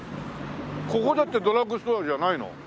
ここだってドラッグストアじゃないの？